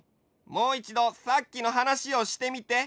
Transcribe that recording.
もういちどさっきの話をしてみて！